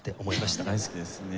大好きですね。